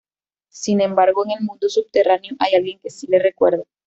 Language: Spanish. Sin embargo, en el mundo subterráneo hay alguien que sí le recuerda.